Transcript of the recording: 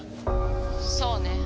そうね。